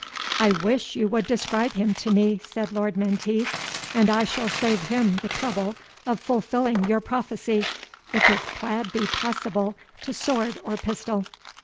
"I wish you would describe him to me," said Lord Menteith, "and I shall save him the trouble of fulfilling your prophecy, if his plaid be passible to sword or pistol."